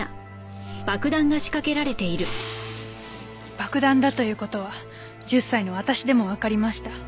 爆弾だという事は１０歳の私でもわかりました。